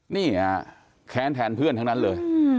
นี่ฮะแค้นแทนเพื่อนทั้งนั้นเลย